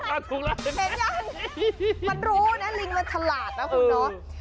มันรู้นะลิงมันฉลาดนะคุณเนาะ